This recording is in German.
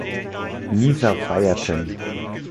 Nisan feierten.